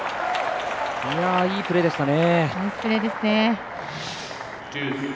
いいプレーでしたね。